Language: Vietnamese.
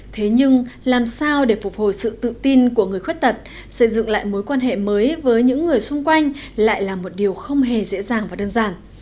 thế nhưng làm sao để phục hồi sự tự tin của người khuyết tật xây dựng lại mối quan hệ mới với những người xung quanh lại là một điều không hề dễ dàng và đơn giản